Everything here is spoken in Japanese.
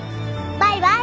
バイバイ。